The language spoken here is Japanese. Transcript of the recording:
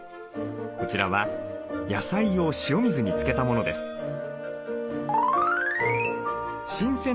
こちらは野菜を塩水に漬けたものです。